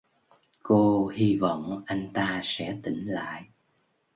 Cô hi vọng anh ta sẽ tỉnh lại